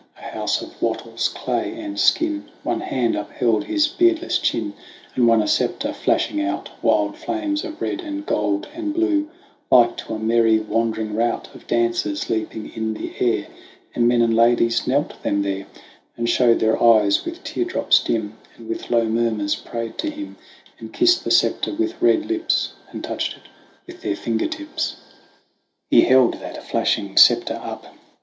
A house of wattles, clay, and skin ; One hand upheld his beardless chin, And one a sceptre flashing out Wild flames of red and gold and blue, Like to a merry wandering rout Of dancers leaping in the air , And men and maidens knelt them there And showed their eyes with teardrops dim, And with low murmurs prayed to him, And kissed the sceptre with red lips, And touched it with their finger tips. He held that flashing sceptre up.